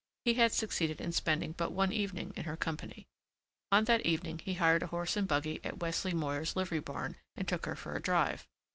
He had succeeded in spending but one evening in her company. On that evening he hired a horse and buggy at Wesley Moyer's livery barn and took her for a drive.